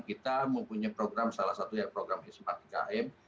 kita mempunyai program salah satu ya program hizmat hikam